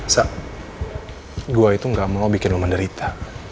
so gue itu gak mau bikin lo menderita